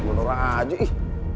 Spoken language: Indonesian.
kamu nurah aja ih